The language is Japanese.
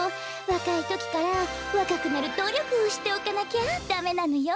わかいときからわかくなるどりょくをしておかなきゃダメなのよ。